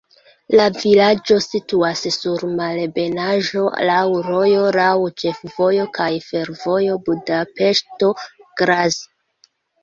La vilaĝo situas sur malebenaĵo, laŭ rojo, laŭ ĉefvojo kaj fervojo Budapeŝto-Graz.